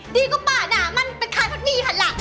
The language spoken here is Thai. ดีกว่าป๊ะนะมันเป็นคลานฮัตตี้แหละ